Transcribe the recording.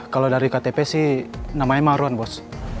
kalau dari ktp sih namanya maruan bos